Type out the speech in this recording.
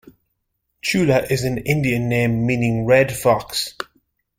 Chula is an Indian name meaning "red fox".